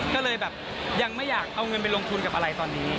ก็เลยแบบยังไม่อยากเอาเงินไปลงทุนกับอะไรตอนนี้